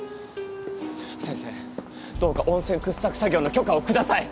先生どうか温泉掘削作業の許可を下さい！